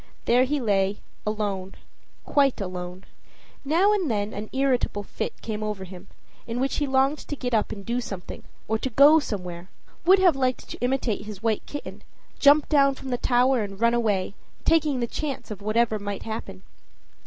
There he lay, alone, quite alone. Now and then an irritable fit came over him, in which he longed to get up and do something, or to go somewhere would have liked to imitate his white kitten jump down from the tower and run away, taking the chance of whatever might happen.